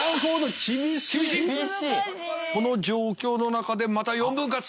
この状況の中でまた４分割。